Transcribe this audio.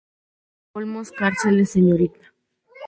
María Olmos Cárceles; Srta.